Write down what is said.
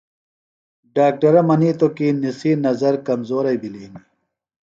ڈاکٹرہ منیتوۡ کی نِسی نظر کمزوئی بِھلیۡ ہِنیۡ۔